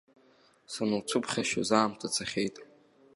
Сануцәыԥхашьоз аамҭа цахьеит.